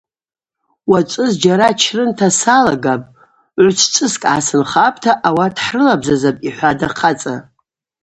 Уачӏвы зджьара чрынта салагапӏ, гӏвчвчӏвыскӏ гӏасынхапӏта ауат хӏрылабзазапӏ, – йхӏватӏ ахъацӏа.